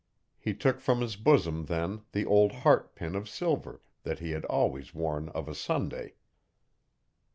He took from his bosom then the old heart pin of silver that he had always worn of a Sunday.